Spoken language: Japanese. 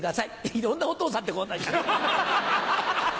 「いろんなお父さん」ってことないか。